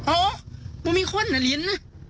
อ้าวมิข่าวนะฤน